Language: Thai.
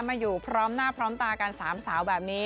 มาอยู่พร้อมหน้าพร้อมตากันสามสาวแบบนี้